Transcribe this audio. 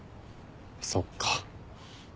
そっか。